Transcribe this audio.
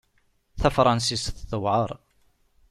Tafṛansist tewɛeṛ.